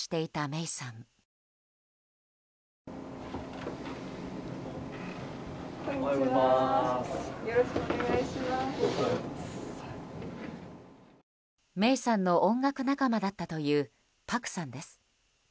芽生さんの音楽仲間だったというパクさんです。